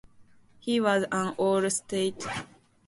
He was an all-state guard during his time there.